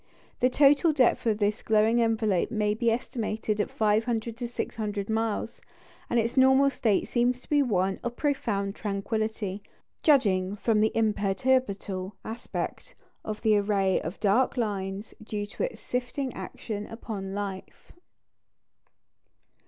The total depth of this glowing envelope may be estimated at 500 to 600 miles, and its normal state seems to be one of profound tranquillity, judging from the imperturbable aspect of the array of dark lines due to its sifting action upon light.